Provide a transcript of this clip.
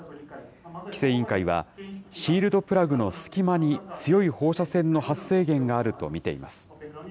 規制委員会は、シールドプラグの隙間に強い放射線の発生源があると見ています。